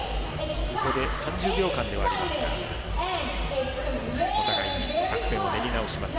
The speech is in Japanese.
ここで３０秒間ではありますがお互いに作戦を練り直します。